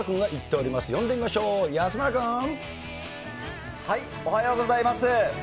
おはようございます。